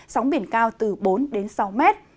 sóng biển cao từ bốn đến sáu m